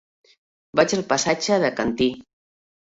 Vaig al passatge de Cantí.